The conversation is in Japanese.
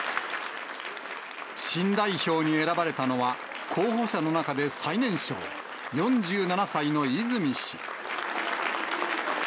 新代表に選ばれたのは、候補者の中で最年少、４７歳の泉氏。